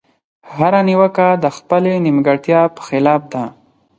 هره نيوکه د خپلې نيمګړتيا په خلاف ده.